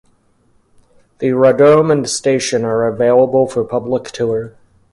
The radome and station are available for public tour.